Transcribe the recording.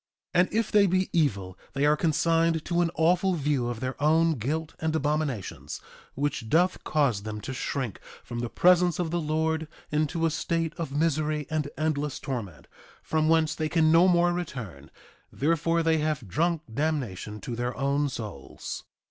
3:25 And if they be evil they are consigned to an awful view of their own guilt and abominations, which doth cause them to shrink from the presence of the Lord into a state of misery and endless torment, from whence they can no more return; therefore they have drunk damnation to their own souls.